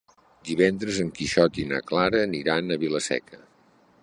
Divendres en Quixot i na Clara aniran a Vila-seca.